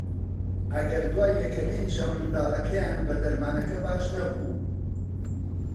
ئەگەر دوای یەکەمین ژەم منداڵەکەیان بە دەرمانەکە باش نەبوو